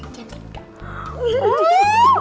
cik cik cantik gak